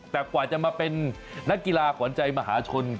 แต่กว่าจะมาเป็นนักกีฬาขวัญใจมหาชน